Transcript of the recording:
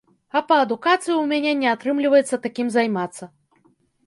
А па адукацыі ў мяне не атрымліваецца такім займацца.